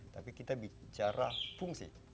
tapi kita bicara fungsi